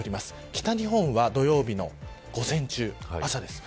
北日本は土曜日の午前中朝です。